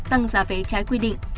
tăng giá vé trái quy định